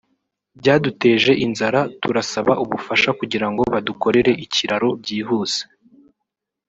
byaduteje inzara turasaba ubufasha kugirango badukorere ikiraro byihuse